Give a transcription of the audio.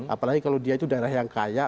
apalagi kalau dia itu daerah yang kaya